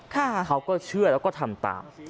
เขาก็เชื่อแล้วก็ทำตาม